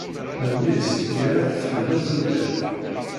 Memmi-s yerra-tt tḥemmel tudert.